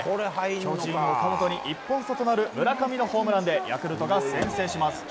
巨人、岡本に１本差となる村上のホームランでヤクルトが先制します。